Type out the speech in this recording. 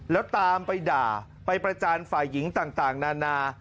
แล้วตามไปด่าไปประจานฝ่ายหญิงต่างนานา